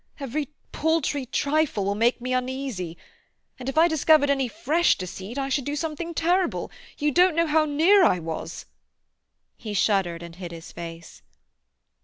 Every paltry trifle will make me uneasy; and if I discovered any fresh deceit I should do something terrible. You don't know how near I was—" He shuddered and hid his face.